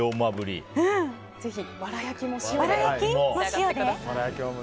ぜひ、わら焼きも塩で。